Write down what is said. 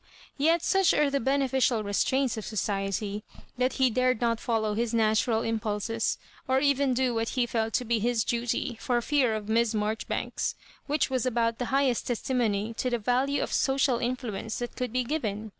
Yet such are the beneficial restraints of society, that he dared not follow bis natural impulses, nor even do what he felt to be his duty, fi>r fear of Miss Marjoribanks^ which was about the highest testimony to the value of social influence that could be given.